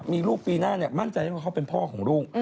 มีลูกปีหน้ามั่นใจได้ว่าเขาเป็นพ่อของลูก